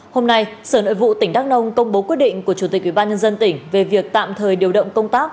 hôm nay sở nội vụ tỉnh đắk nông công bố quyết định của chủ tịch ubnd tỉnh về việc tạm thời điều động công tác